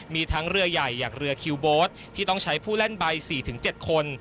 มีทั้งเรือใหญ่อย่างเรือคิวโบ๊ทที่ต้องใช้ผู้เล่นใบ๔๗คน